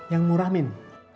yang murah min